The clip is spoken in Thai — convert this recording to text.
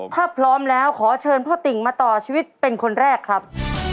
ถ้าพร้อมแล้วขอเชิญพ่อติ่งมาต่อชีวิตเป็นคนแรกครับ